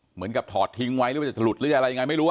เหมือนกับถอดทิ้งไว้หรือว่าจะถลุดหรืออะไรยังไงไม่รู้